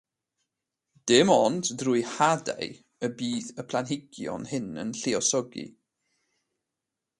Dim ond drwy hadau y bydd y planhigion hyn yn lluosogi.